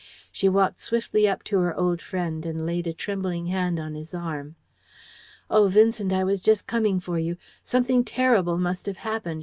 She walked swiftly up to her old friend, and laid a trembling hand on his arm. "Oh, Vincent, I was just coming for you something terrible must have happened!"